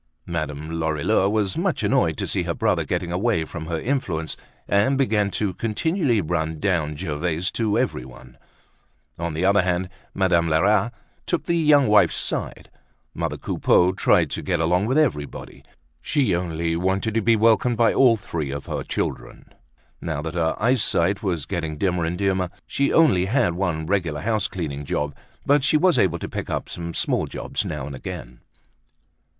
Madame Lorilleux was much annoyed to see her brother getting away from her influence and begin to continually run down Gervaise to everyone. On the other hand, Madame Lerat took the young wife's side. Mother Coupeau tried to get along with everybody. She only wanted to be welcomed by all three of her children. Now that her eyesight was getting dimmer and dimmer she only had one regular house cleaning job but she was able to pick up some small jobs now and again.